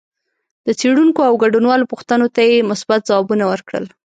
د څېړونکو او ګډونوالو پوښتنو ته یې مثبت ځوابونه ورکړل